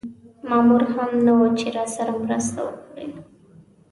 مامور هم نه و چې راسره مرسته وکړي.